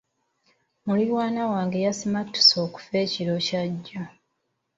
Muliraanwa wange yasimattuse okufa ekiro Kya jjo.